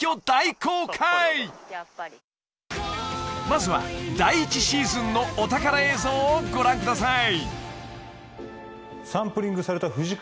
［まずは第１シーズンのお宝映像をご覧ください］